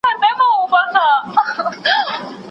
پر دې ښار باندي ماتم دی ساندي اوري له اسمانه